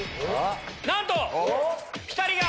なんとピタリが。